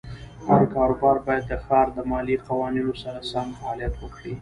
هر کاروبار باید د ښار د مالیې قوانینو سره سم فعالیت وکړي.